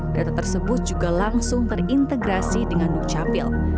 data tersebut juga langsung terintegrasi dengan dukcapil